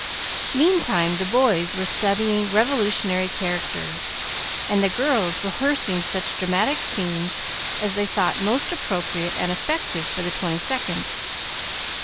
Meantime the boys were studying Revolutionary characters, and the girls rehearsing such dramatic scenes as they thought most appropriate and effective for the 22d.